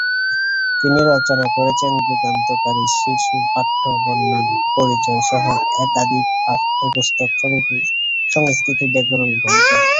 তিনি রচনা করেছেন যুগান্তকারী শিশুপাঠ্য বর্ণপরিচয়-সহ একাধিক পাঠ্যপুস্তক, সংস্কৃত ব্যাকরণ গ্রন্থ।